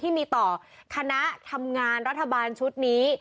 ที่มีต่อคณะทำงานรัฐบาลชุดนี้